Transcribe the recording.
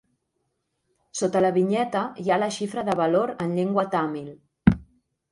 Sota la vinyeta hi ha la xifra de valor en llengua tàmil.